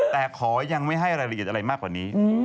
แต่ขอยังไม่ให้รายละเอียดอะไรมากกว่านี้